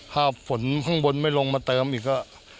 ถ้าฝนข้างบนไม่ลงมาเติมอีกก็